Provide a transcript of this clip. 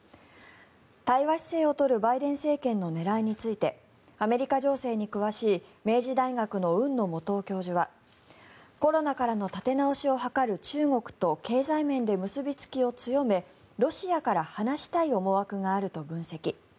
対話姿勢を取るバイデン政権の狙いについてアメリカ情勢に詳しい明治大学の海野素央教授はコロナからの立て直しを図る中国と経済面で結びつきを強めロシアから離したい思惑があると分析。